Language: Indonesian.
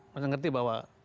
saya ngerti bahwa